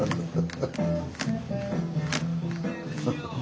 ハハハッ。